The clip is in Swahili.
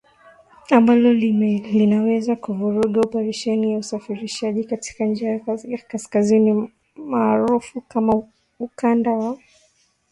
Ambalo linaweza kuvuruga operesheni za usafirishaji katika njia ya kaskazini maarufu kama Ukanda wa Kaskazini.